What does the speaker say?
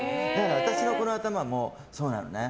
私のこの頭もそうなのね。